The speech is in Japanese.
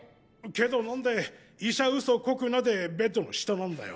けど何で「医者ウソこくな」でベッドの下なんだよ？